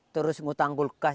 terus ngutang kulkas